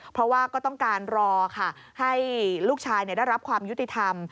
เพราะว่าก็ต้องการรอค่ะให้ลูกชายได้รับความยุติธรรม